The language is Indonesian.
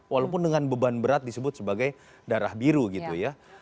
walaupun dengan beban berat disebut sebagai darah biru gitu ya